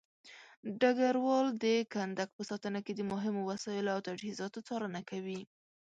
ډګروال د کندک په ساتنه کې د مهمو وسایلو او تجهيزاتو څارنه کوي.